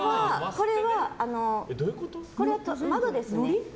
これは窓ですね。